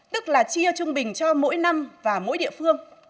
tức là chia trung bình cho mỗi năm và mỗi địa phương